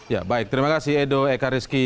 ya baik terima kasih edo eka rizki